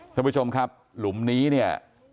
ท่านผู้ชมครับหลุมนี้เนี่ย